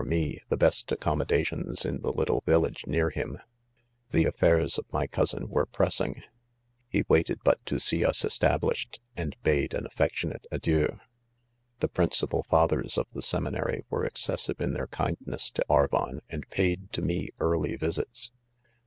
me, the 'best accommoda* tioiis, iin.:the little village. ,, near ,: him, ».. The* af fairsioLmy. cousin were ..pressing $ he , waited bat Ttp.rsee, : ,usr ;. established , and ; bade: an >affe<& tionate ( ,adie^i .!i. ..' The ipriiicipal fathers of .the, seminary were e^jBjS§sive in ^their^ kindness to Arvon, and paid. tp;,me early visits.